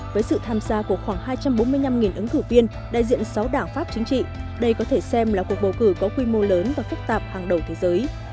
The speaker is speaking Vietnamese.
với sự tham gia của khoảng hai trăm bốn mươi năm ứng cử viên đại diện sáu đảng pháp chính trị đây có thể xem là cuộc bầu cử có quy mô lớn và phức tạp hàng đầu thế giới